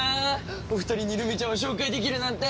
お二人にルミちゃんを紹介できるなんて。